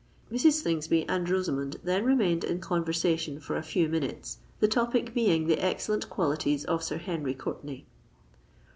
Mrs. Slingsby and Rosamond then remained in conversation for a few minutes, the topic being the excellent qualities of Sir Henry Courtenay.